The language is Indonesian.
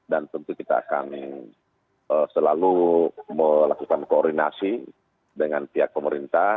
tentu kita akan selalu melakukan koordinasi dengan pihak pemerintah